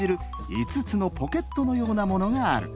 いつつのポケットのようなものがある。